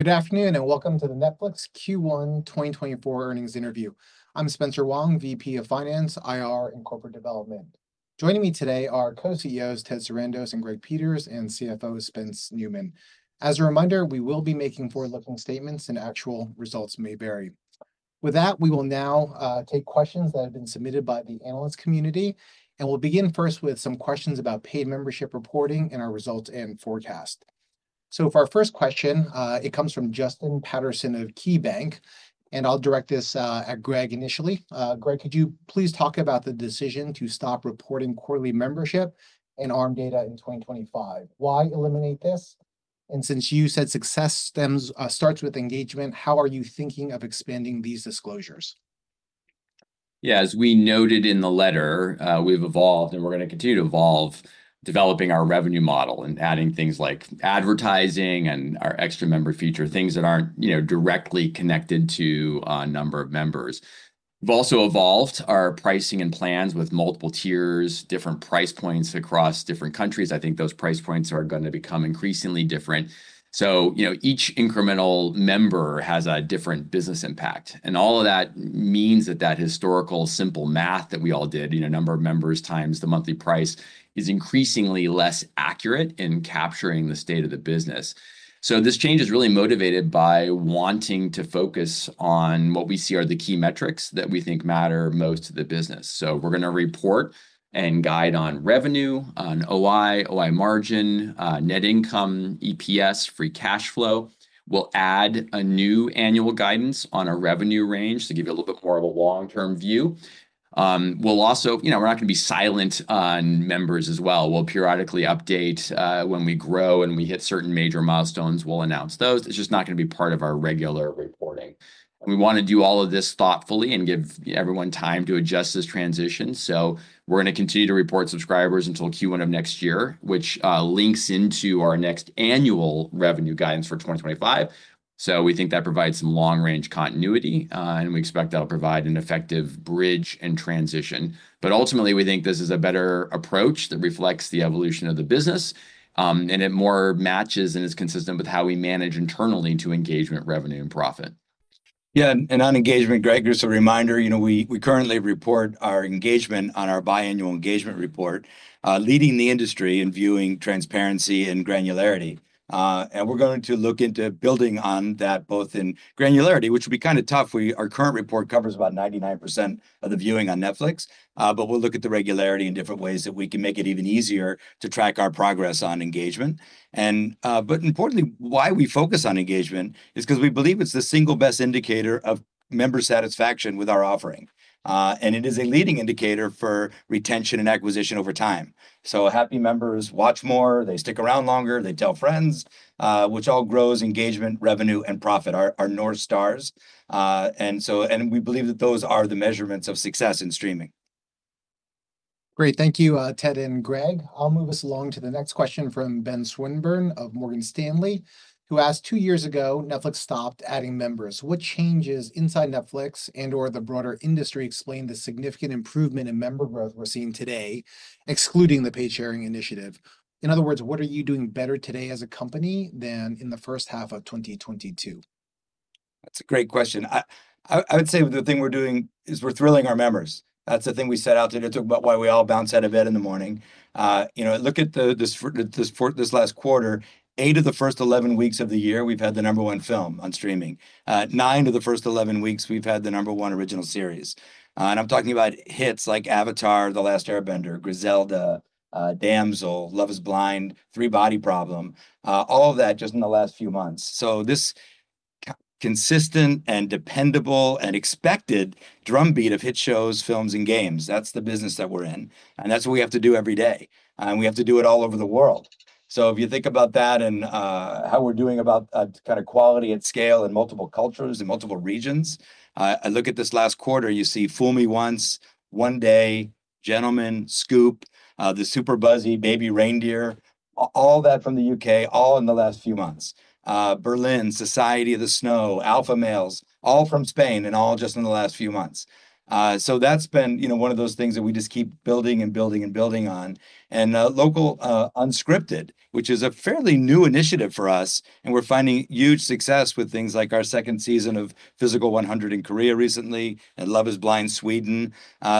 Good afternoon and welcome to the Netflix Q1 2024 earnings interview. I'm Spencer Wang, VP of Finance, IR, and Corporate Development. Joining me today are co-CEOs Ted Sarandos and Greg Peters, and CFO Spencer Neumann. As a reminder, we will be making forward-looking statements, and actual results may vary. With that, we will now take questions that have been submitted by the analyst community, and we'll begin first with some questions about paid membership reporting and our results and forecast. So for our first question, it comes from Justin Patterson of KeyBanc, and I'll direct this at Greg initially. Greg, could you please talk about the decision to stop reporting quarterly membership and ARM data in 2025? Why eliminate this? And since you said success starts with engagement, how are you thinking of expanding these disclosures? Yeah, as we noted in the letter, we've evolved, and we're going to continue to evolve, developing our revenue model and adding things like advertising and our extra member feature, things that aren't directly connected to a number of members. We've also evolved our pricing and plans with multiple tiers, different price points across different countries. I think those price points are going to become increasingly different. Each incremental member has a different business impact, and all of that means that that historical simple math that we all did, number of members times the monthly price, is increasingly less accurate in capturing the state of the business. This change is really motivated by wanting to focus on what we see are the key metrics that we think matter most to the business. We're going to report and guide on revenue, on OI, OI margin, net income, EPS, free cash flow. We'll add a new annual guidance on our revenue range to give you a little bit more of a long-term view. We're not going to be silent on members as well. We'll periodically update. When we grow and we hit certain major milestones, we'll announce those. It's just not going to be part of our regular reporting. We want to do all of this thoughtfully and give everyone time to adjust this transition. We're going to continue to report subscribers until Q1 of next year, which links into our next annual revenue guidance for 2025. We think that provides some long-range continuity, and we expect that'll provide an effective bridge and transition. Ultimately, we think this is a better approach that reflects the evolution of the business, and it more matches and is consistent with how we manage internally to engagement, revenue, and profit. Yeah, on engagement, Greg, just a reminder, we currently report our engagement on our biannual engagement report, leading the industry in viewing transparency and granularity. We're going to look into building on that both in granularity, which would be kind of tough. Our current report covers about 99% of the viewing on Netflix, but we'll look at the regularity in different ways that we can make it even easier to track our progress on engagement. Importantly, why we focus on engagement is because we believe it's the single best indicator of member satisfaction with our offering, and it is a leading indicator for retention and acquisition over time. Happy members watch more, they stick around longer, they tell friends, which all grows engagement, revenue, and profit, our North Stars. We believe that those are the measurements of success in streaming. Great. Thank you, Ted and Greg. I'll move us along to the next question from Ben Swinburne of Morgan Stanley, who asked, "Two years ago, Netflix stopped adding members. What changes inside Netflix and/or the broader industry explain the significant improvement in member growth we're seeing today, excluding the paid sharing initiative?" In other words, what are you doing better today as a company than in the first half of 2022? That's a great question. I would say the thing we're doing is we're thrilling our members. That's the thing we set out to do. I talked about why we all bounce out of bed in the morning. Look at this last quarter. Eight of the first 11 weeks of the year, we've had the number one film on streaming. Nine of the first 11 weeks, we've had the number one original series. I'm talking about hits like Avatar: The Last Airbender, Griselda, Damsel, Love Is Blind, 3 Body Problem, all of that just in the last few months. This consistent and dependable and expected drumbeat of hit shows, films, and games, that's the business that we're in, and that's what we have to do every day. We have to do it all over the world. If you think about that and how we're doing about kind of quality at scale in multiple cultures and multiple regions, I look at this last quarter. You see Fool Me Once, One Day, Gentlemen, Scoop, the super buzzy Baby Reindeer, all that from the U.K., all in the last few months. Berlin, Society of the Snow, Alpha Males, all from Spain and all just in the last few months. That's been one of those things that we just keep building and building and building on. Local Unscripted, which is a fairly new initiative for us, and we're finding huge success with things like our second season of Physical: 100 in Korea recently and Love Is Blind Sweden.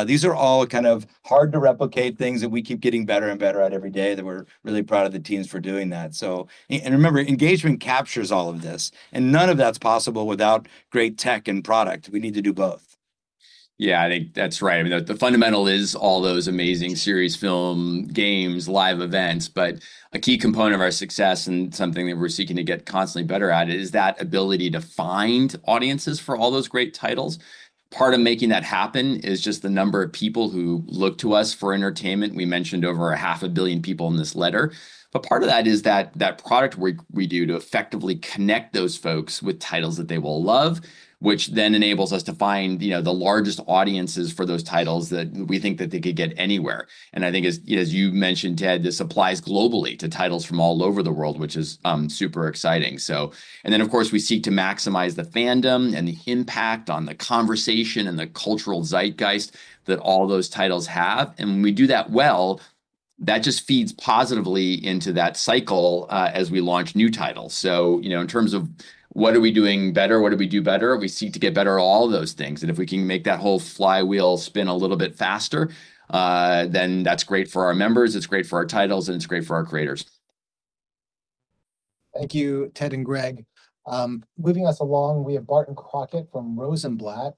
These are all kind of hard to replicate things that we keep getting better and better at every day that we're really proud of the teams for doing that. Remember, engagement captures all of this, and none of that's possible without great tech and product. We need to do both. Yeah, I think that's right. I mean, the fundamental is all those amazing series, films, games, live events. A key component of our success and something that we're seeking to get constantly better at is that ability to find audiences for all those great titles. Part of making that happen is just the number of people who look to us for entertainment. We mentioned over 500 million people in this letter. Part of that is that product we do to effectively connect those folks with titles that they will love, which then enables us to find the largest audiences for those titles that we think that they could get anywhere. I think, as you mentioned, Ted, this applies globally to titles from all over the world, which is super exciting. Then, of course, we seek to maximize the fandom and the impact on the conversation and the cultural zeitgeist that all those titles have. When we do that well, that just feeds positively into that cycle as we launch new titles. In terms of what are we doing better, what do we do better, we seek to get better at all of those things. If we can make that whole flywheel spin a little bit faster, then that's great for our members. It's great for our titles, and it's great for our creators. Thank you, Ted and Greg. Moving us along, we have Barton Crockett from Rosenblatt,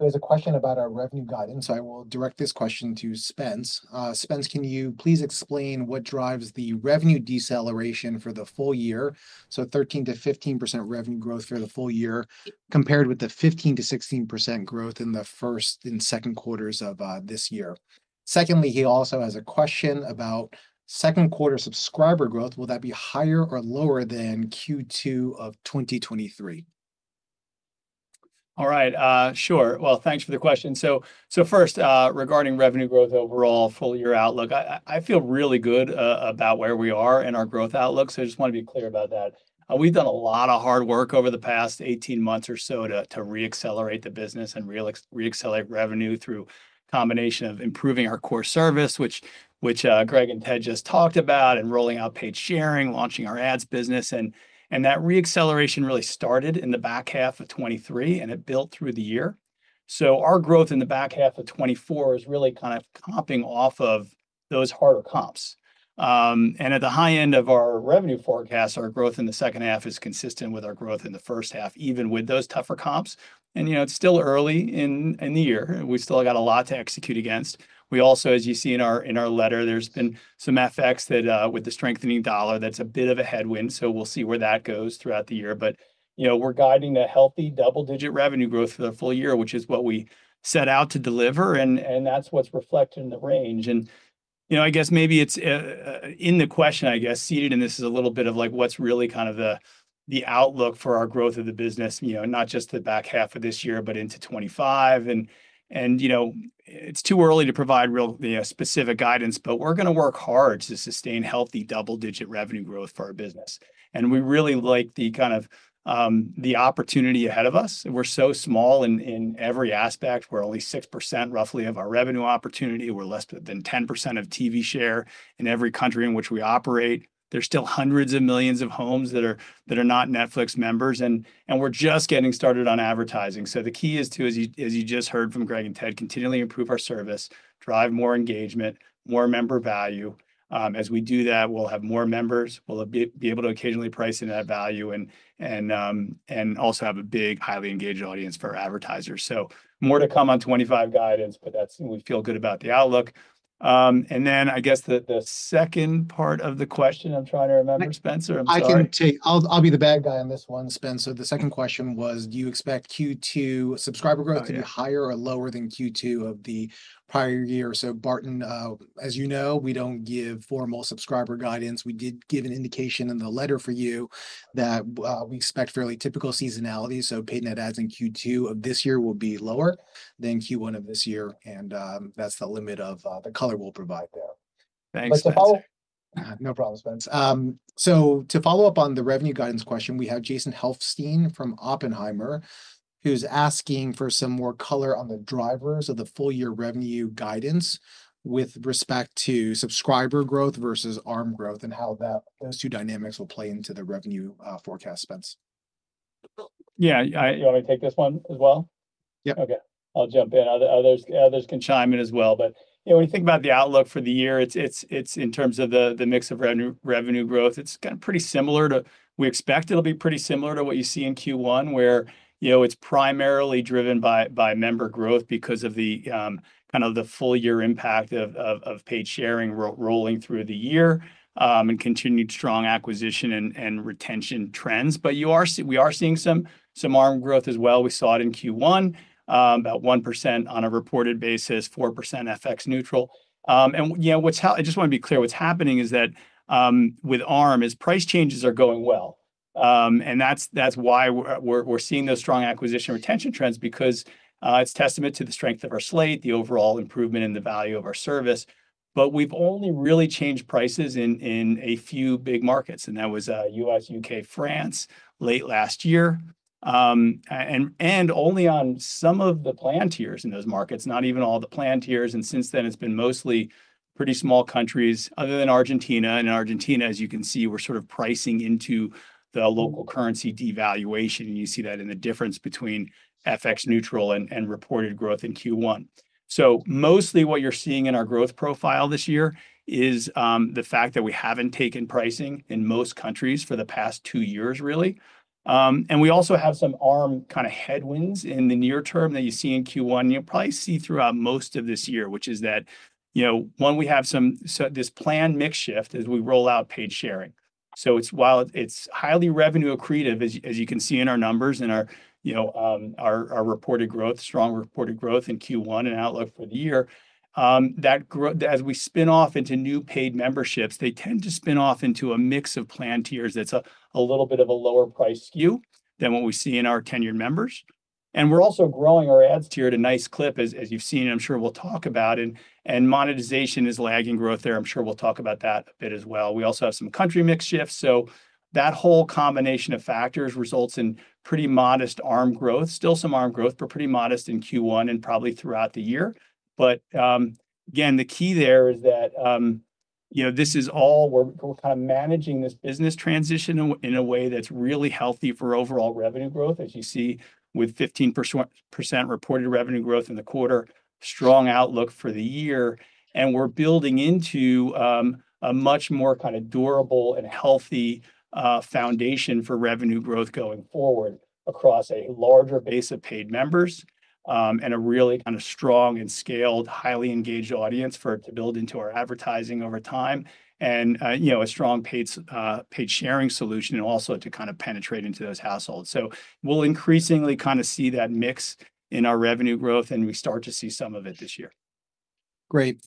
who has a question about our revenue guidance. I will direct this question to Spence. Spence, can you please explain what drives the revenue deceleration for the full year? So 13%-15% revenue growth for the full year compared with the 15%-16% growth in the first and second quarters of this year. Secondly, he also has a question about second quarter subscriber growth. Will that be higher or lower than Q2 of 2023? All right. Sure. Well, thanks for the question. First, regarding revenue growth overall, full year outlook, I feel really good about where we are in our growth outlook. I just want to be clear about that. We've done a lot of hard work over the past 18 months or so to reaccelerate the business and reaccelerate revenue through a combination of improving our core service, which Greg and Ted just talked about, and rolling out paid sharing, launching our ads business. That reacceleration really started in the back half of 2023, and it built through the year. Our growth in the back half of 2024 is really kind of comping off of those harder comps. At the high end of our revenue forecast, our growth in the second half is consistent with our growth in the first half, even with those tougher comps. It's still early in the year. We still got a lot to execute against. We also, as you see in our letter, there's been some effects that with the strengthening U.S. dollar, that's a bit of a headwind. We'll see where that goes throughout the year. We're guiding the healthy double-digit revenue growth for the full year, which is what we set out to deliver, and that's what's reflected in the range. I guess maybe it's in the question, I guess, seated in this is a little bit of what's really kind of the outlook for our growth of the business, not just the back half of this year, but into 2025. It's too early to provide real specific guidance, but we're going to work hard to sustain healthy double-digit revenue growth for our business. We really like the kind of opportunity ahead of us. We're so small in every aspect. We're only 6% roughly of our revenue opportunity. We're less than 10% of TV share in every country in which we operate. There's still hundreds of millions of homes that are not Netflix members, and we're just getting started on advertising. The key is to, as you just heard from Greg and Ted, continually improve our service, drive more engagement, more member value. As we do that, we'll have more members. We'll be able to occasionally price in that value and also have a big, highly engaged audience for our advertisers. More to come on 2025 guidance, but we feel good about the outlook. Then I guess the second part of the question, I'm trying to remember, Spencer. I'll be the bad guy on this one, Spencer. The second question was, do you expect Q2 subscriber growth to be higher or lower than Q2 of the prior year? Barton, as you know, we don't give formal subscriber guidance. We did give an indication in the letter for you that we expect fairly typical seasonality. Paid net adds in Q2 of this year will be lower than Q1 of this year, and that's the limit of the color we'll provide there. Thanks, Spence. No problem, Spence. To follow up on the revenue guidance question, we have Jason Helfstein from Oppenheimer, who's asking for some more color on the drivers of the full year revenue guidance with respect to subscriber growth versus ARM growth and how those two dynamics will play into the revenue forecast, Spence? Yeah. You want me to take this one as well? Yep. Okay. I'll jump in. Others can chime in as well. When you think about the outlook for the year, in terms of the mix of revenue growth, it's kind of pretty similar to we expect it'll be pretty similar to what you see in Q1. Where it's primarily driven by member growth because of kind of the full year impact of paid sharing rolling through the year and continued strong acquisition and retention trends. We are seeing some ARM growth as well. We saw it in Q1, about 1% on a reported basis, 4% FX neutral. I just want to be clear, what's happening is that with ARM, is price changes are going well. That's why we're seeing those strong acquisition retention trends because it's a testament to the strength of our slate, the overall improvement in the value of our service. We've only really changed prices in a few big markets. That was U.S., U.K., France late last year, and only on some of the plan tiers in those markets, not even all the plan tiers. Since then, it's been mostly pretty small countries other than Argentina. Argentina, as you can see, we're sort of pricing into the local currency devaluation. You see that in the difference between FX neutral and reported growth in Q1. Mostly what you're seeing in our growth profile this year is the fact that we haven't taken pricing in most countries for the past two years, really. We also have some ARM kind of headwinds in the near term that you see in Q1. You'll probably see throughout most of this year, which is that, one, we have this plan mix shift as we roll out paid sharing. While it's highly revenue accretive, as you can see in our numbers and our reported growth, strong reported growth in Q1 and outlook for the year, as we spin off into new paid memberships, they tend to spin off into a mix of plan tiers that's a little bit of a lower-price skew than what we see in our tenured members. We're also growing our ads tier to nice clip, as you've seen, and I'm sure we'll talk about it. Monetization is lagging growth there. I'm sure we'll talk about that a bit as well. We also have some country mix shifts. That whole combination of factors results in pretty modest ARM growth, still some ARM growth, but pretty modest in Q1 and probably throughout the year. Again, the key there is that this is all we're kind of managing this business transition in a way that's really healthy for overall revenue growth, as you see with 15% reported revenue growth in the quarter, strong outlook for the year. We're building into a much more kind of durable and healthy foundation for revenue growth going forward across a larger base of paid members and a really kind of strong and scaled, highly engaged audience for it to build into our advertising over time and a strong paid sharing solution and also to kind of penetrate into those households. We'll increasingly kind of see that mix in our revenue growth, and we start to see some of it this year. Great.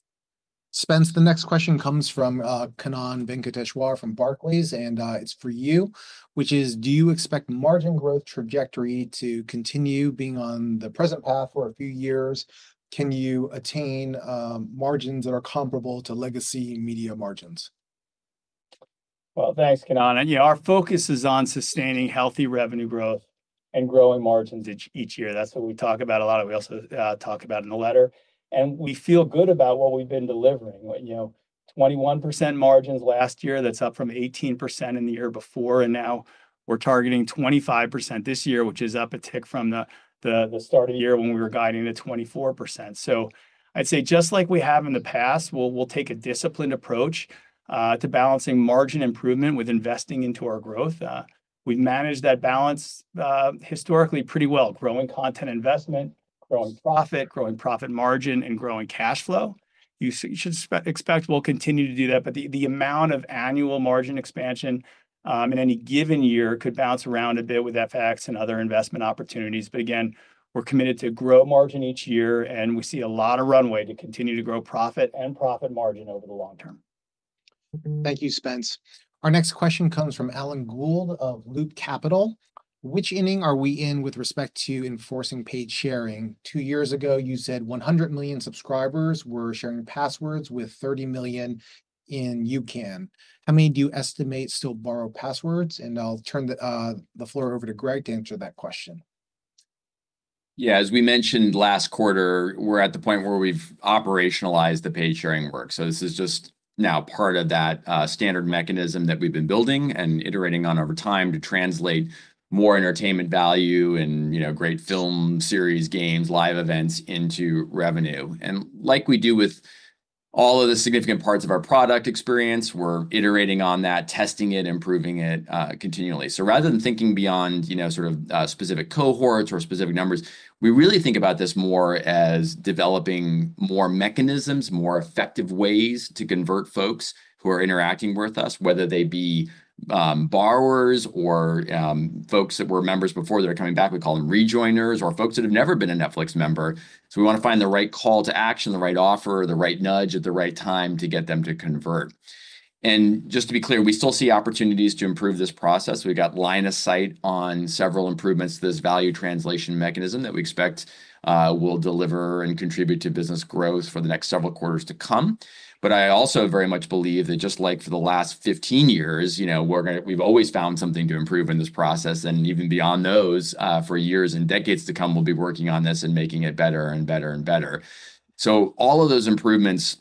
Spence, the next question comes from Kannan Venkateshwar from Barclays, and it's for you, which is, do you expect margin growth trajectory to continue being on the present path for a few years? Can you attain margins that are comparable to legacy media margins? Well, thanks, Kannan. Our focus is on sustaining healthy revenue growth and growing margins each year. That's what we talk about a lot of what we also talk about in the letter. We feel good about what we've been delivering. 21% margins last year, that's up from 18% in the year before. Now we're targeting 25% this year, which is up a tick from the start of the year when we were guiding to 24%. I'd say just like we have in the past, we'll take a disciplined approach to balancing margin improvement with investing into our growth. We've managed that balance historically pretty well: growing content investment, growing profit, growing profit margin, and growing cash flow. You should expect we'll continue to do that. The amount of annual margin expansion in any given year could bounce around a bit with FX and other investment opportunities. Again, we're committed to grow margin each year, and we see a lot of runway to continue to grow profit and profit margin over the long term. Thank you, Spence. Our next question comes from Alan Gould of Loop Capital. Which inning are we in with respect to enforcing paid sharing? Two years ago, you said 100 million subscribers were sharing passwords with 30 million in UCAN. How many do you estimate still borrow passwords? I'll turn the floor over to Greg to answer that question. Yeah. As we mentioned last quarter, we're at the point where we've operationalized the paid sharing work. This is just now part of that standard mechanism that we've been building and iterating on over time to translate more entertainment value and great films, series, games, live events into revenue. Like we do with all of the significant parts of our product experience, we're iterating on that, testing it, improving it continually. Rather than thinking beyond sort of specific cohorts or specific numbers, we really think about this more as developing more mechanisms, more effective ways to convert folks who are interacting with us, whether they be borrowers or folks that were members before that are coming back. We call them rejoiners or folks that have never been a Netflix member. We want to find the right call to action, the right offer, the right nudge at the right time to get them to convert. Just to be clear, we still see opportunities to improve this process. We've got line of sight on several improvements to this value translation mechanism that we expect will deliver and contribute to business growth for the next several quarters to come. I also very much believe that just like for the last 15 years, we've always found something to improve in this process. Even beyond those, for years and decades to come, we'll be working on this and making it better and better and better. All of those improvements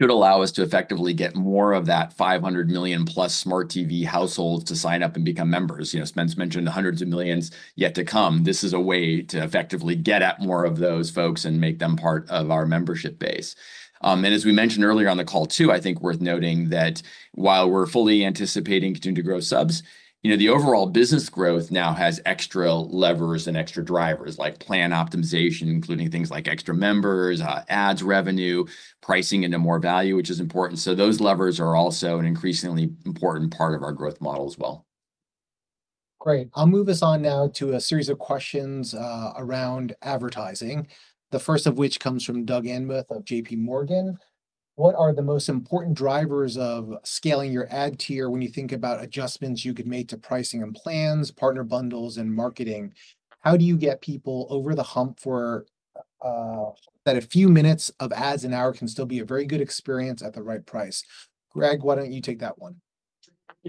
should allow us to effectively get more of that 500 million+ smart TV households to sign up and become members. Spence mentioned hundreds of millions yet to come. This is a way to effectively get at more of those folks and make them part of our membership base. As we mentioned earlier on the call too, I think worth noting that while we're fully anticipating continuing to grow subs, the overall business growth now has extra levers and extra drivers like plan optimization, including things like extra members, ads revenue, pricing into more value, which is important. Those levers are also an increasingly important part of our growth model as well. Great. I'll move us on now to a series of questions around advertising, the first of which comes from Doug Anmuth of JPMorgan. What are the most important drivers of scaling your ads tier when you think about adjustments you could make to pricing and plans, partner bundles, and marketing? How do you get people over the hump that a few minutes of ads an hour can still be a very good experience at the right price? Greg, why don't you take that one?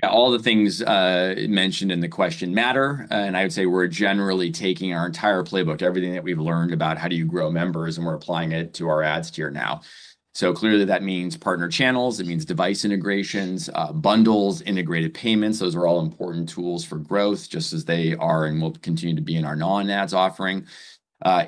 Yeah. All the things mentioned in the question matter. I would say we're generally taking our entire playbook, everything that we've learned about how do you grow members, and we're applying it to our ads tier now. Clearly, that means partner channels. It means device integrations, bundles, integrated payments. Those are all important tools for growth, just as they are and will continue to be in our non-ads offering.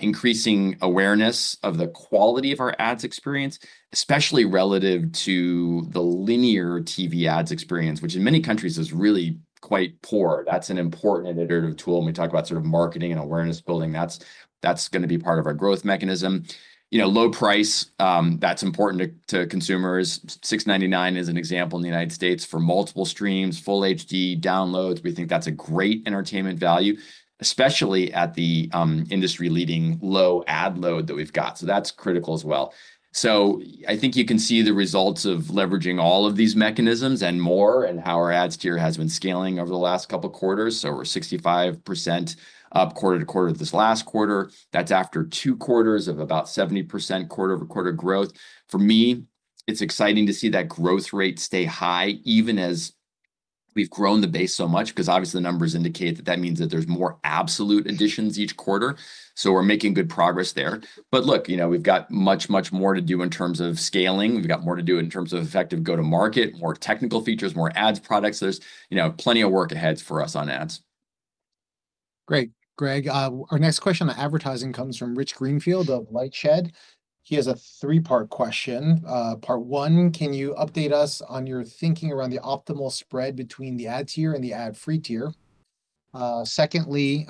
Increasing awareness of the quality of our ads experience, especially relative to the linear TV ads experience, which in many countries is really quite poor. That's an important iterative tool. When we talk about sort of marketing and awareness building, that's going to be part of our growth mechanism. Low price, that's important to consumers. $6.99 is an example in the United States for multiple streams, full HD downloads. We think that's a great entertainment value, especially at the industry-leading low ad load that we've got. That's critical as well. I think you can see the results of leveraging all of these mechanisms and more and how our ads tier has been scaling over the last couple of quarters. We're 65% up quarter-over-quarter this last quarter. That's after two quarters of about 70% quarter-over-quarter growth. For me, it's exciting to see that growth rate stay high, even as we've grown the base so much, because obviously, the numbers indicate that that means that there's more absolute additions each quarter. We're making good progress there. Look, we've got much, much more to do in terms of scaling. We've got more to do in terms of effective go-to-market, more technical features, more ads products. There's plenty of work ahead for us on ads. Great. Greg, our next question on advertising comes from Rich Greenfield of LightShed. He has a three-part question. Part one, can you update us on your thinking around the optimal spread between the ad tier and the ad-free tier? Secondly,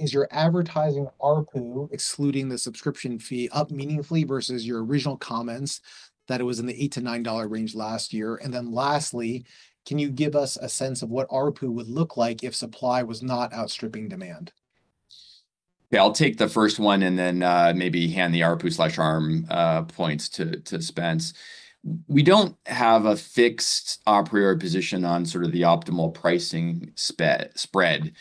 is your advertising ARPU excluding the subscription fee up meaningfully versus your original comments that it was in the $8-$9 range last year? Then lastly, can you give us a sense of what ARPU would look like if supply was not outstripping demand? Yeah. I'll take the first one and then maybe hand the ARPU/ARM points to Spence. We don't have a fixed a priori position on sort of the optimal pricing spread.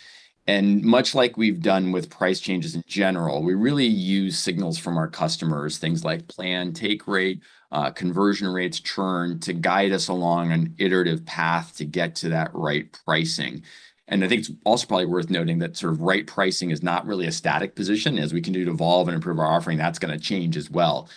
Much like we've done with price changes in general, we really use signals from our customers, things like plan take rate, conversion rates, churn, to guide us along an iterative path to get to that right pricing. I think it's also probably worth noting that sort of right pricing is not really a static position. As we can do to evolve and improve our offering, that's going to change as well.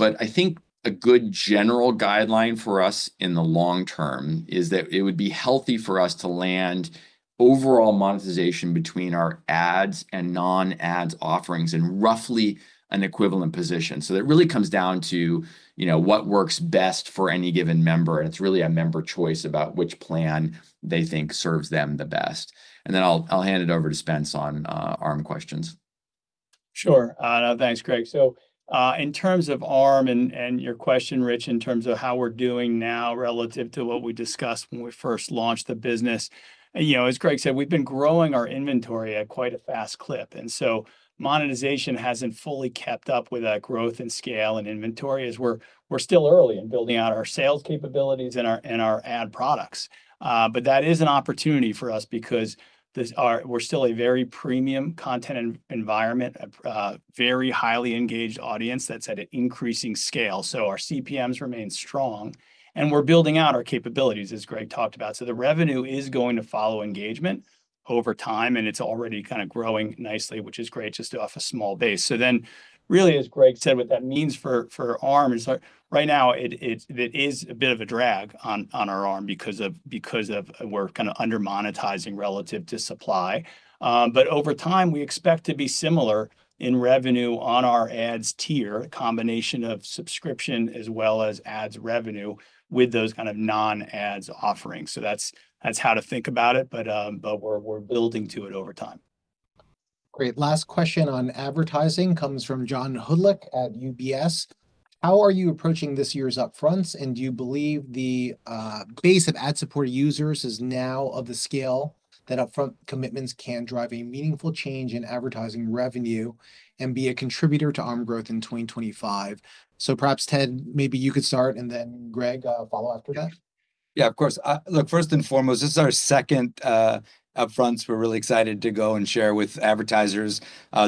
I think a good general guideline for us in the long term is that it would be healthy for us to land overall monetization between our ads and non-ads offerings in roughly an equivalent position. It really comes down to what works best for any given member. It's really a member choice about which plan they think serves them the best. Then I'll hand it over to Spence on ARM questions. Sure. Thanks, Greg. In terms of ARM and your question, Rich, in terms of how we're doing now relative to what we discussed when we first launched the business, as Greg said, we've been growing our inventory at quite a fast clip. Monetization hasn't fully kept up with that growth and scale and inventory as we're still early in building out our sales capabilities and our ad products. That is an opportunity for us because we're still a very premium content environment, a very highly engaged audience that's at an increasing scale. Our CPMs remain strong, and we're building out our capabilities, as Greg talked about. The revenue is going to follow engagement over time, and it's already kind of growing nicely, which is great, just off a small base. Then really, as Greg said, what that means for ARM is right now, it is a bit of a drag on our ARM because we're kind of undermonetizing relative to supply. Over time, we expect to be similar in revenue on our ads tier, a combination of subscription as well as ads revenue with those kind of non-ads offerings. That's how to think about it. We're building to it over time. Great. Last question on advertising comes from John Hodulik at UBS. How are you approaching this year's Upfronts? Do you believe the base of ad-supported users is now of the scale that upfront commitments can drive a meaningful change in advertising revenue and be a contributor to ARM growth in 2025? Perhaps, Ted, maybe you could start, and then Greg follow after that. Yeah, of course. Look, first and foremost, this is our second Upfronts. We're really excited to go and share with advertisers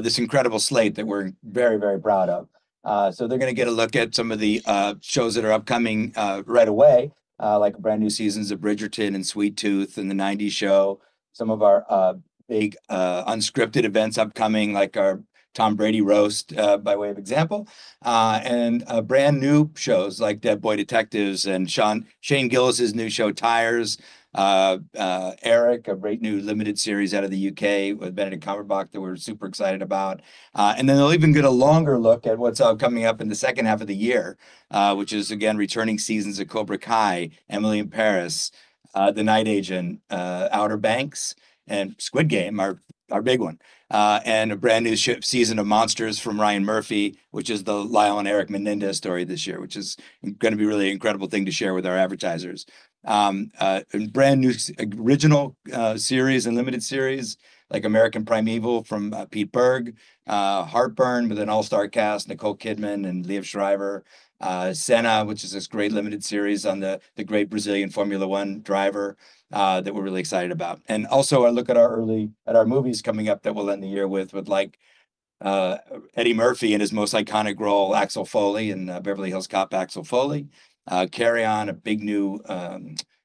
this incredible slate that we're very, very proud of. They're going to get a look at some of the shows that are upcoming right away, like brand new seasons of Bridgerton and Sweet Tooth and That '90s Show, some of our big unscripted events upcoming, like our Tom Brady roast, by way of example, and brand new shows like Dead Boy Detectives and Shane Gillis's new show Tires, Eric, a great new limited series out of the U.K. with Benedict Cumberbatch that we're super excited about. Then they'll even get a longer look at what's coming up in the second half of the year, which is, again, returning seasons of Cobra Kai, Emily in Paris, The Night Agent, Outer Banks, and Squid Game, our big one, and a brand new season of Monsters from Ryan Murphy, which is the Lyle and Erik Menendez story this year, which is going to be a really incredible thing to share with our advertisers, and brand new original series and limited series like American Primeval from Pete Berg, Heartburn, with an all-star cast, Nicole Kidman and Liev Schreiber, Senna, which is this great limited series on the great Brazilian Formula One driver that we're really excited about. Also a look at our movies coming up that we'll end the year with, like Eddie Murphy in his most iconic role, Axel Foley, and Beverly Hills Cop, Axel Foley, Carry-On, a big new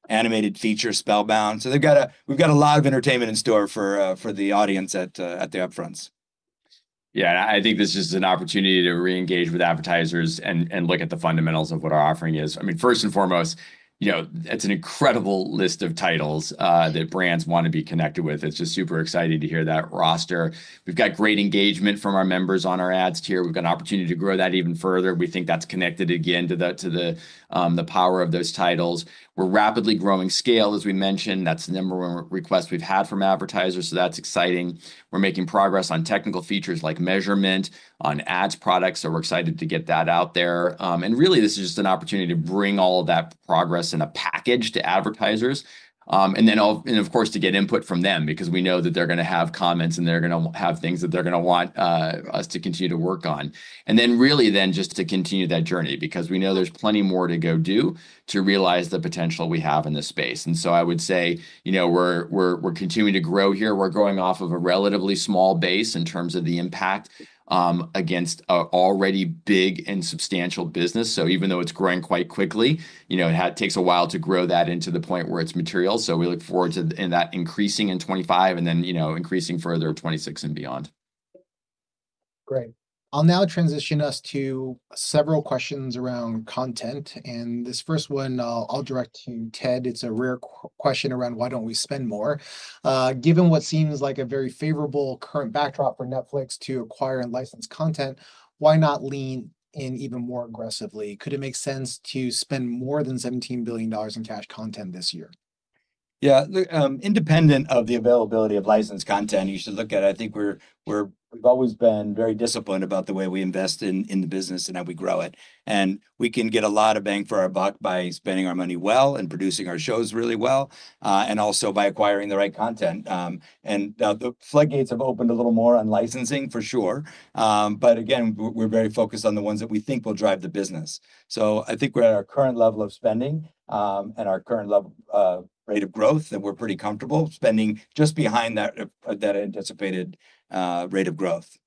animated feature, Spellbound. We've got a lot of entertainment in store for the audience at the Upfronts. Yeah. I think this is just an opportunity to reengage with advertisers and look at the fundamentals of what our offering is. I mean, first and foremost, it's an incredible list of titles that brands want to be connected with. It's just super exciting to hear that roster. We've got great engagement from our members on our ads tier. We've got an opportunity to grow that even further. We think that's connected again to the power of those titles. We're rapidly growing scale, as we mentioned. That's the number one request we've had from advertisers. So that's exciting. We're making progress on technical features like measurement on ads products. We're excited to get that out there. Really, this is just an opportunity to bring all of that progress in a package to advertisers and, of course, to get input from them because we know that they're going to have comments and they're going to have things that they're going to want us to continue to work on. Then really, then just to continue that journey because we know there's plenty more to go do to realize the potential we have in this space. I would say we're continuing to grow here. We're growing off of a relatively small base in terms of the impact against already big and substantial business. Even though it's growing quite quickly, it takes a while to grow that into the point where it's material. We look forward to that increasing in 2025 and then increasing further 2026 and beyond. Great. I'll now transition us to several questions around content. This first one, I'll direct to Ted. It's a rare question around why don't we spend more? Given what seems like a very favorable current backdrop for Netflix to acquire and license content, why not lean in even more aggressively? Could it make sense to spend more than $17 billion in cash content this year? Yeah. Look, independent of the availability of licensed content, you should look at it. I think we've always been very disciplined about the way we invest in the business and how we grow it. We can get a lot of bang for our buck by spending our money well and producing our shows really well and also by acquiring the right content. The floodgates have opened a little more on licensing, for sure. Again, we're very focused on the ones that we think will drive the business. I think we're at our current level of spending and our current rate of growth, that we're pretty comfortable spending just behind that anticipated rate of growth.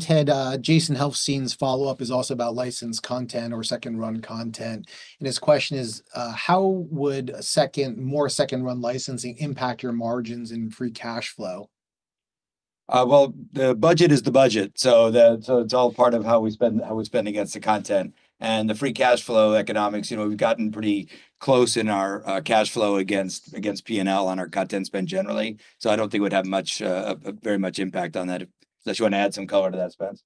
Ted, Jason Helfstein's follow-up is also about licensed content or second-run content. His question is, how would more second-run licensing impact your margins and free cash flow? Well, the budget is the budget. It's all part of how we spend against the content and the free cash flow economics. We've gotten pretty close in our cash flow against P&L on our content spend generally. I don't think we'd have very much impact on that. Does that show you want to add some color to that, Spence?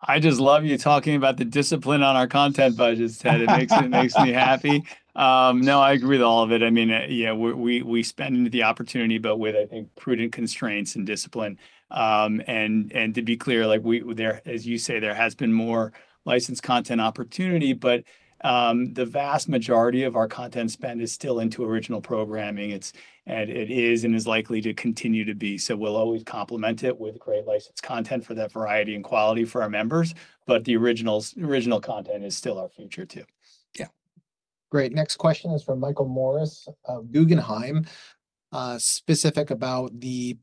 I just love you talking about the discipline on our content budgets, Ted. It makes me happy. No, I agree with all of it. I mean, we spend into the opportunity, but with, I think, prudent constraints and discipline. To be clear, as you say, there has been more licensed content opportunity, but the vast majority of our content spend is still into original programming. It is and is likely to continue to be. We'll always complement it with great licensed content for that variety and quality for our members. The original content is still our future, too. Yeah. Great. Next question is from Michael Morris of Guggenheim, specific about the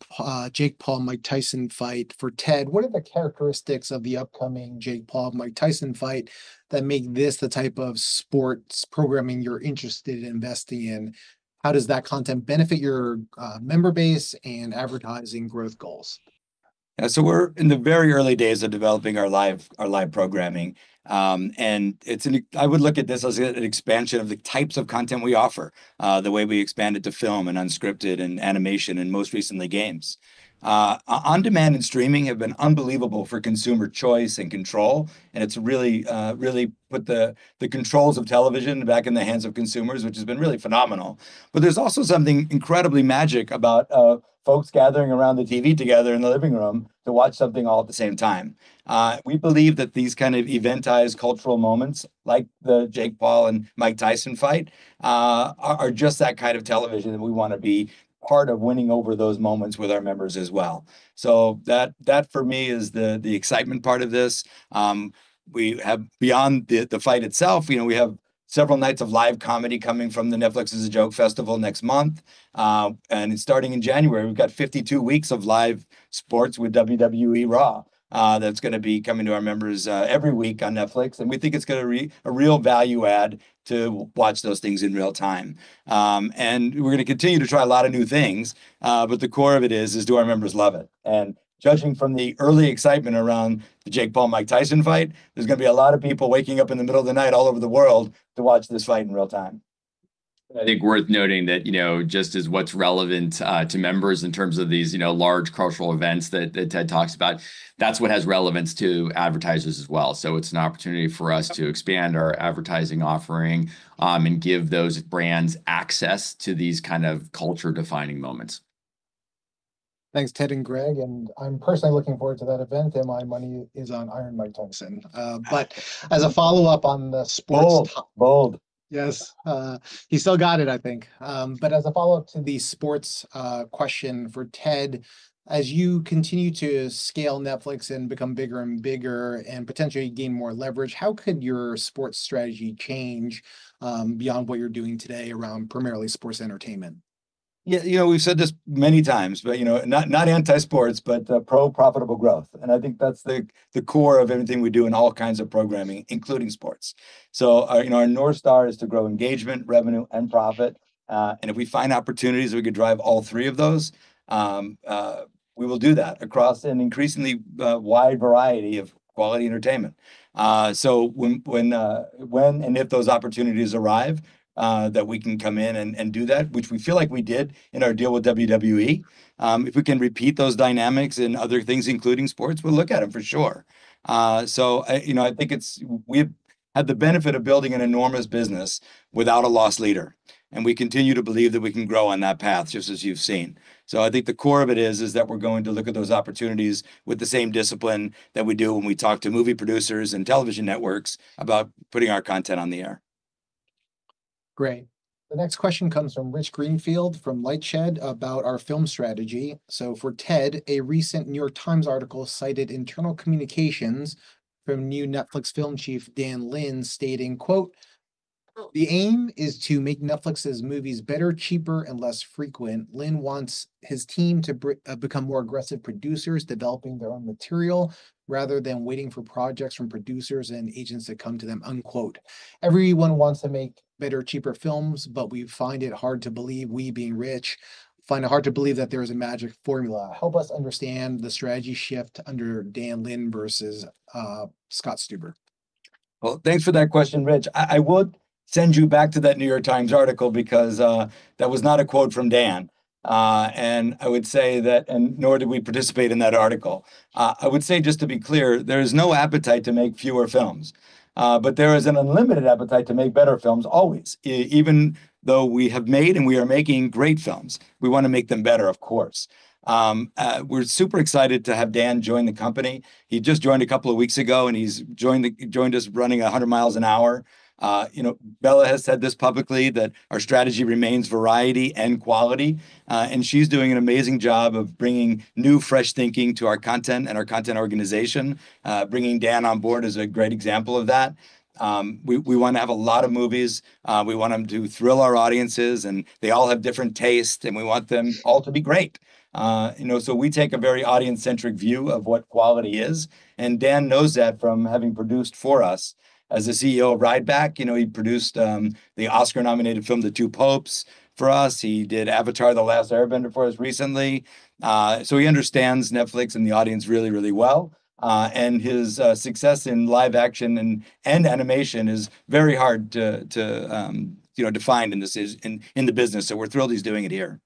Jake Paul/Mike Tyson fight. For Ted, what are the characteristics of the upcoming Jake Paul/Mike Tyson fight that make this the type of sports programming you're interested in investing in? How does that content benefit your member base and advertising growth goals? Yeah. We're in the very early days of developing our live programming. I would look at this as an expansion of the types of content we offer, the way we expand it to film and unscripted and animation and most recently, games. On-demand and streaming have been unbelievable for consumer choice and control. It's really put the controls of television back in the hands of consumers, which has been really phenomenal. There's also something incredibly magic about folks gathering around the TV together in the living room to watch something all at the same time. We believe that these kind of eventized cultural moments, like the Jake Paul and Mike Tyson fight, are just that kind of television that we want to be part of winning over those moments with our members as well. That, for me, is the excitement part of this. Beyond the fight itself, we have several nights of live comedy coming from the Netflix Is a Joke Festival next month. Starting in January, we've got 52 weeks of live sports with WWE Raw that's going to be coming to our members every week on Netflix. We think it's going to be a real value add to watch those things in real time. We're going to continue to try a lot of new things. The core of it is, do our members love it? Judging from the early excitement around the Jake Paul vs. Mike Tyson fight, there's going to be a lot of people waking up in the middle of the night all over the world to watch this fight in real time. I think worth noting that just as what's relevant to members in terms of these large cultural events that Ted talks about, that's what has relevance to advertisers as well. It's an opportunity for us to expand our advertising offering and give those brands access to these kind of culture-defining moments. Thanks, Ted and Greg. I'm personally looking forward to that event, and my money is on Iron Mike Tyson. As a follow-up on the sports. Bold. Yes. He still got it, I think. As a follow-up to the sports question for Ted, as you continue to scale Netflix and become bigger and bigger and potentially gain more leverage, how could your sports strategy change beyond what you're doing today around primarily sports entertainment? Yeah. We've said this many times, but not anti-sports, but pro-profitable growth. I think that's the core of everything we do in all kinds of programming, including sports. Our North Star is to grow engagement, revenue, and profit. If we find opportunities that we could drive all three of those, we will do that across an increasingly wide variety of quality entertainment. When and if those opportunities arrive that we can come in and do that, which we feel like we did in our deal with WWE, if we can repeat those dynamics and other things, including sports, we'll look at them, for sure. I think we have had the benefit of building an enormous business without a loss leader. We continue to believe that we can grow on that path, just as you've seen. I think the core of it is that we're going to look at those opportunities with the same discipline that we do when we talk to movie producers and television networks about putting our content on the air. Great. The next question comes from Rich Greenfield from LightShed about our film strategy. For Ted, a recent New York Times article cited internal communications from new Netflix film chief Dan Lin stating, "The aim is to make Netflix's movies better, cheaper, and less frequent. Lin wants his team to become more aggressive producers developing their own material rather than waiting for projects from producers and agents to come to them." "Everyone wants to make better, cheaper films, but we find it hard to believe, we being Rich, find it hard to believe that there is a magic formula. Help us understand the strategy shift under Dan Lin versus Scott Stuber. Well, thanks for that question, Rich. I would send you back to that New York Times article because that was not a quote from Dan. I would say that, and nor did we participate in that article. I would say, just to be clear, there is no appetite to make fewer films. There is an unlimited appetite to make better films always, even though we have made and we are making great films. We want to make them better, of course. We're super excited to have Dan join the company. He just joined a couple of weeks ago, and he's joined us running 100 miles an hour. Bela has said this publicly, that our strategy remains variety and quality. And she's doing an amazing job of bringing new, fresh thinking to our content and our content organization. Bringing Dan on board is a great example of that. We want to have a lot of movies. We want them to thrill our audiences, and they all have different tastes. We want them all to be great. We take a very audience-centric view of what quality is. Dan knows that from having produced for us. As the CEO of Ride Back, he produced the Oscar-nominated film The Two Popes for us. He did Avatar: The Last Airbender for us recently. He understands Netflix and the audience really, really well. His success in live action and animation is very hard to define in the business. We're thrilled he's doing it here.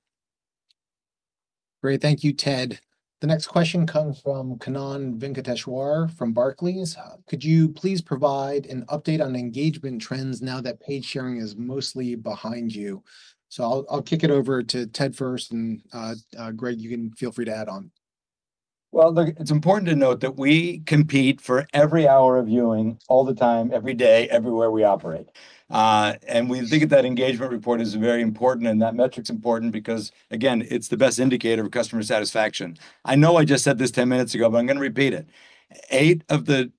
Great. Thank you, Ted. The next question comes from Kannan Venkateshwar from Barclays. Could you please provide an update on engagement trends now that paid sharing is mostly behind you? So I'll kick it over to Ted first. And Greg, you can feel free to add on. Well, it's important to note that we compete for every hour of viewing all the time, every day, everywhere we operate. We think that that engagement report is very important. That metric's important because, again, it's the best indicator of customer satisfaction. I know I just said this 10 minutes ago, but I'm going to repeat it. 8 of the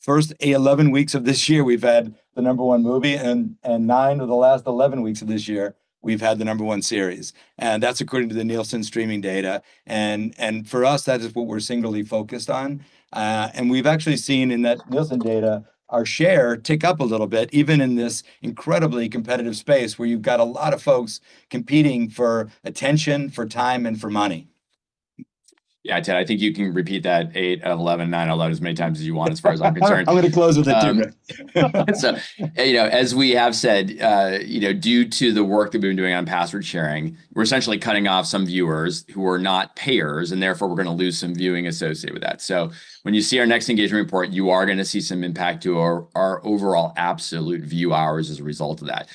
first 11 weeks of this year, we've had the number one movie. 9 of the last 11 weeks of this year, we've had the number one series. That's according to the Nielsen streaming data. For us, that is what we're singly focused on. We've actually seen in that Nielsen data our share tick up a little bit, even in this incredibly competitive space where you've got a lot of folks competing for attention, for time, and for money. Yeah, Ted, I think you can repeat that, 8/11, 9/11, as many times as you want, as far as I'm concerned. I'm going to close with it, too. As we have said, due to the work that we've been doing on password sharing, we're essentially cutting off some viewers who are not payers, and therefore, we're going to lose some viewing associated with that. When you see our next engagement report, you are going to see some impact to our overall absolute view hours as a result of that.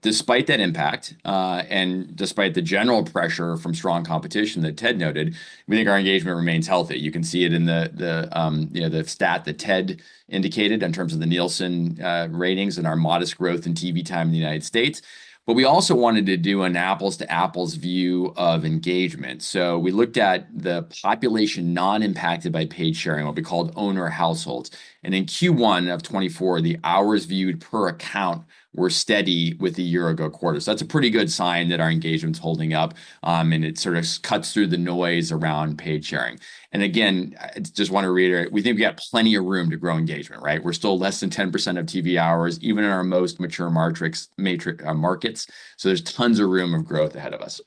Despite that impact and despite the general pressure from strong competition that Ted noted, we think our engagement remains healthy. You can see it in the stat that Ted indicated in terms of the Nielsen ratings and our modest growth in TV time in the United States. But we also wanted to do an apples-to-apples view of engagement. We looked at the population non-impacted by password sharing, what we called owner households. In Q1 of 2024, the hours viewed per account were steady with the year-ago quarter. That's a pretty good sign that our engagement's holding up. It sort of cuts through the noise around paid sharing. Again, I just want to reiterate, we think we got plenty of room to grow engagement, right? We're still less than 10% of TV hours, even in our most mature markets. There's tons of room for growth ahead of us.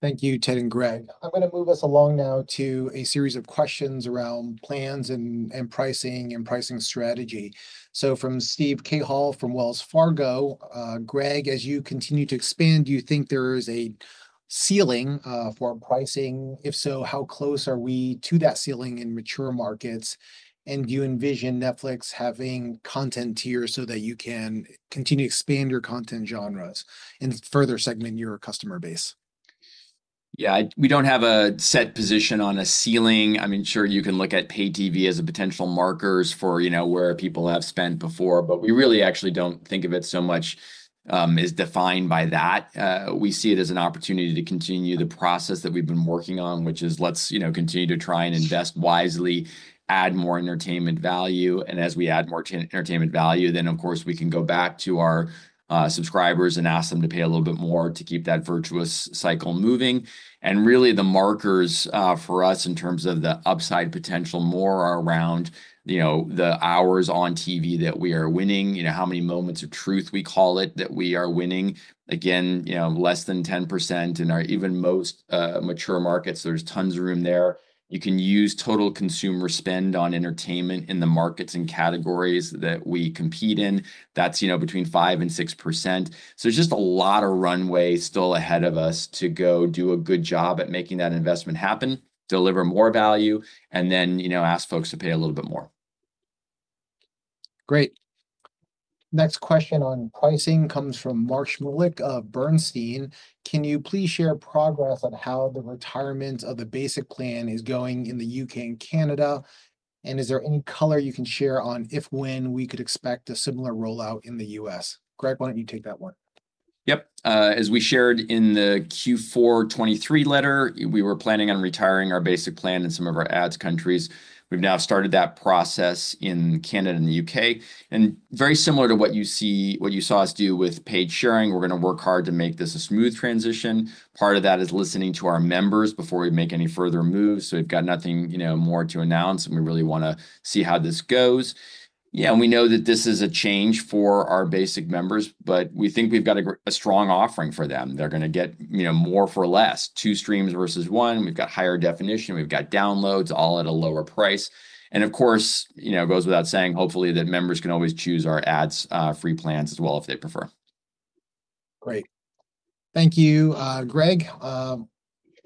Thank you, Ted and Greg. I'm going to move us along now to a series of questions around plans and pricing and pricing strategy. From Steve Cahall from Wells Fargo, Greg, as you continue to expand, do you think there is a ceiling for pricing? If so, how close are we to that ceiling in mature markets? Do you envision Netflix having content tier so that you can continue to expand your content genres and further segment your customer base? Yeah. We don't have a set position on a ceiling. I mean, sure, you can look at pay TV as a potential markers for where people have spent before, but we really actually don't think of it so much as defined by that. We see it as an opportunity to continue the process that we've been working on, which is let's continue to try and invest wisely, add more entertainment value. As we add more entertainment value, then, of course, we can go back to our subscribers and ask them to pay a little bit more to keep that virtuous cycle moving. Really, the markers for us in terms of the upside potential more are around the hours on TV that we are winning, how many moments of truth, we call it, that we are winning. Again, less than 10% in our even most mature markets, there's tons of room there. You can use total consumer spend on entertainment in the markets and categories that we compete in. That's between 5%-6%. There's just a lot of runway still ahead of us to go do a good job at making that investment happen, deliver more value, and then ask folks to pay a little bit more. Great. Next question on pricing comes from Mark Shmulik of Bernstein. Can you please share progress on how the retirement of the basic plan is going in the U.K. and Canada? Is there any color you can share on if, when we could expect a similar rollout in the U.S.? Greg, why don't you take that one? Yep. As we shared in the Q4 2023 letter, we were planning on retiring our basic plan in some of our ads countries. We've now started that process in Canada and the U.K. Very similar to what you saw us do with paid sharing, we're going to work hard to make this a smooth transition. Part of that is listening to our members before we make any further moves. We've got nothing more to announce, and we really want to see how this goes. Yeah. We know that this is a change for our basic members, but we think we've got a strong offering for them. They're going to get more for less, two streams versus one. We've got higher definition. We've got downloads, all at a lower price. Of course, goes without saying, hopefully, that members can always choose our ad-free plans as well if they prefer. Great. Thank you, Greg.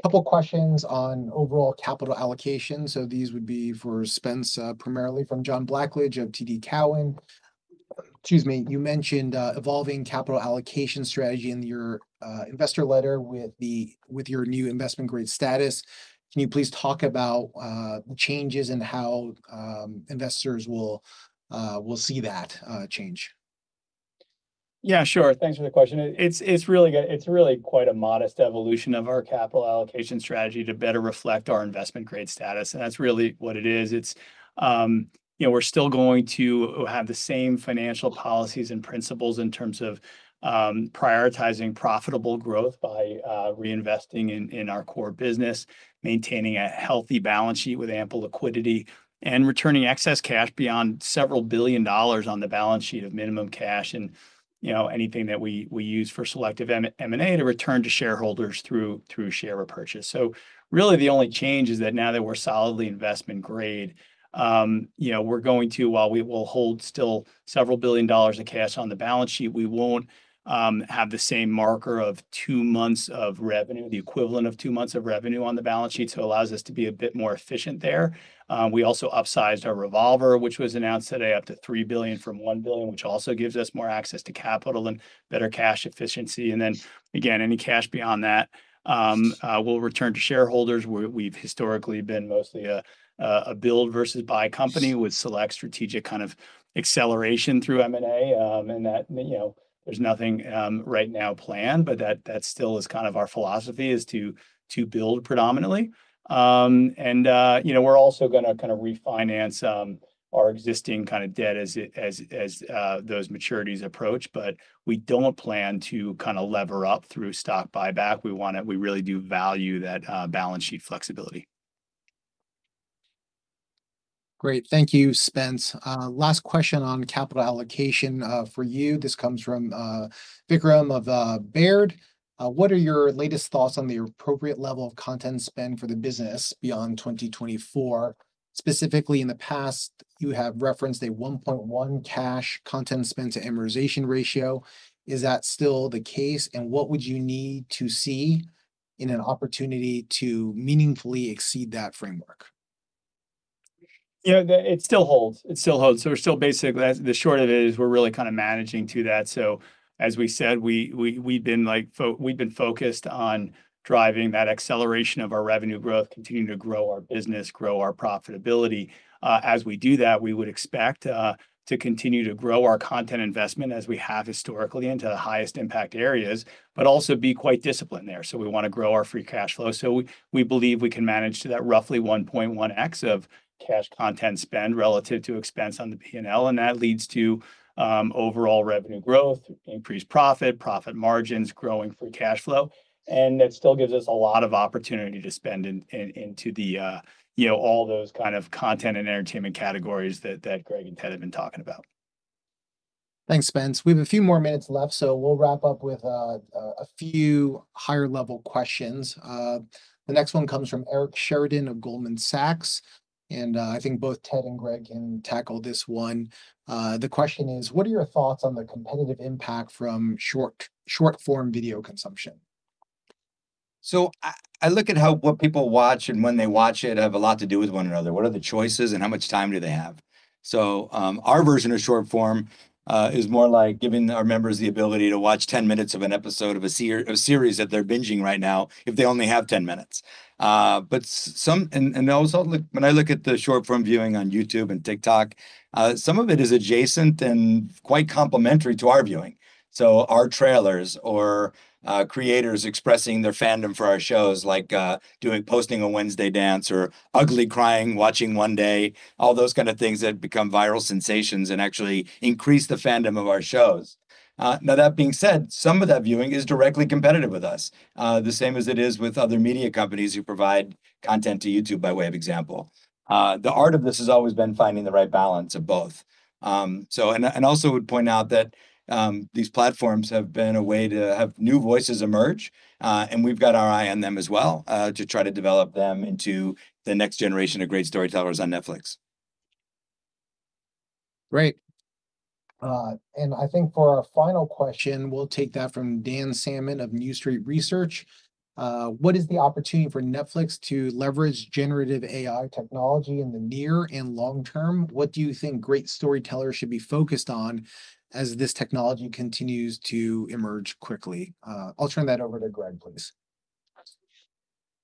A couple of questions on overall capital allocation. These would be for Spence, primarily from John Blackledge of TD Cowen. Excuse me. You mentioned evolving capital allocation strategy in your investor letter with your new investment grade status. Can you please talk about the changes and how investors will see that change? Yeah, sure. Thanks for the question. It's really quite a modest evolution of our capital allocation strategy to better reflect our investment grade status. That's really what it is. We're still going to have the same financial policies and principles in terms of prioritizing profitable growth by reinvesting in our core business, maintaining a healthy balance sheet with ample liquidity, and returning excess cash beyond several billion dollars on the balance sheet of minimum cash and anything that we use for selective M&A to return to shareholders through share repurchase. Really, the only change is that now that we're solidly investment grade, we're going to, while we'll hold still several billion dollars of cash on the balance sheet, we won't have the same marker of two months of revenue, the equivalent of two months of revenue on the balance sheet. It allows us to be a bit more efficient there. We also upsized our revolver, which was announced today, up to $3 billion from $1 billion, which also gives us more access to capital and better cash efficiency. Then, again, any cash beyond that will return to shareholders. We've historically been mostly a build versus buy company with select strategic kind of acceleration through M&A. There's nothing right now planned, but that still is kind of our philosophy is to build predominantly. We're also going to kind of refinance our existing kind of debt as those maturities approach. We don't plan to kind of lever up through stock buyback. We really do value that balance sheet flexibility. Great. Thank you, Spence. Last question on capital allocation for you. This comes from Vikram of Baird. What are your latest thoughts on the appropriate level of content spend for the business beyond 2024? Specifically, in the past, you have referenced a 1.1 cash content spend to amortization ratio. Is that still the case? What would you need to see in an opportunity to meaningfully exceed that framework? It still holds. It still holds. We're still basically the short of it is we're really kind of managing to that. As we said, we've been focused on driving that acceleration of our revenue growth, continuing to grow our business, grow our profitability. As we do that, we would expect to continue to grow our content investment as we have historically into the highest impact areas, but also be quite disciplined there. We want to grow our free cash flow. We believe we can manage to that roughly 1.1x of cash content spend relative to expense on the P&L. That leads to overall revenue growth, increased profit, profit margins, growing free cash flow. That still gives us a lot of opportunity to spend into all those kind of content and entertainment categories that Greg and Ted have been talking about. Thanks, Spence. We have a few more minutes left, so we'll wrap up with a few higher-level questions. The next one comes from Eric Sheridan of Goldman Sachs. I think both Ted and Greg can tackle this one. The question is, what are your thoughts on the competitive impact from short-form video consumption? I look at what people watch and when they watch it have a lot to do with one another. What are the choices, and how much time do they have? Our version of short-form is more like giving our members the ability to watch 10 minutes of an episode of a series that they're binging right now if they only have 10 minutes. When I look at the short-form viewing on YouTube and TikTok, some of it is adjacent and quite complementary to our viewing. Our trailers or creators expressing their fandom for our shows, like posting a Wednesday dance or ugly crying watching One Day, all those kind of things that become viral sensations and actually increase the fandom of our shows. Now, that being said, some of that viewing is directly competitive with us, the same as it is with other media companies who provide content to YouTube, by way of example. The art of this has always been finding the right balance of both. Also would point out that these platforms have been a way to have new voices emerge. We've got our eye on them as well to try to develop them into the next generation of great storytellers on Netflix. Great. I think for our final question, we'll take that from Dan Salmon of New Street Research. What is the opportunity for Netflix to leverage generative AI technology in the near and long term? What do you think great storytellers should be focused on as this technology continues to emerge quickly? I'll turn that over to Greg, please.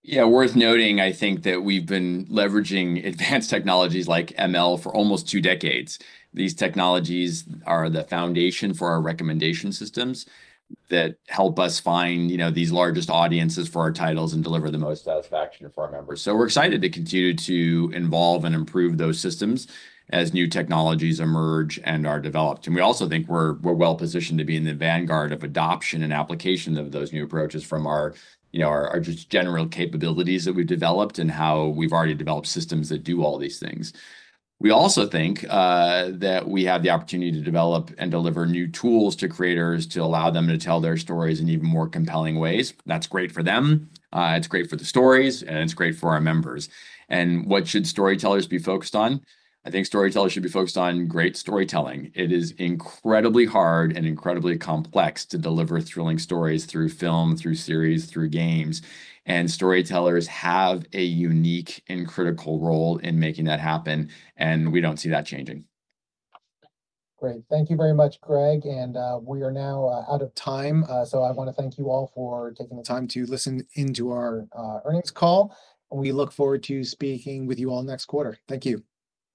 Yeah. Worth noting, I think that we've been leveraging advanced technologies like ML for almost two decades. These technologies are the foundation for our recommendation systems that help us find these largest audiences for our titles and deliver the most satisfaction for our members. We're excited to continue to involve and improve those systems as new technologies emerge and are developed. We also think we're well-positioned to be in the vanguard of adoption and application of those new approaches from our just general capabilities that we've developed and how we've already developed systems that do all these things. We also think that we have the opportunity to develop and deliver new tools to creators to allow them to tell their stories in even more compelling ways. That's great for them. It's great for the stories, and it's great for our members. And what should storytellers be focused on? I think storytellers should be focused on great storytelling. It is incredibly hard and incredibly complex to deliver thrilling stories through film, through series, through games. Storytellers have a unique and critical role in making that happen. We don't see that changing. Great. Thank you very much, Greg. We are now out of time. I want to thank you all for taking the time to listen into our earnings call. We look forward to speaking with you all next quarter. Thank you.